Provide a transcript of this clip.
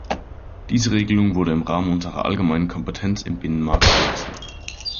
Diese Regelung wurde im Rahmen unserer allgemeinen Kompetenz im Binnenmarkt erlassen.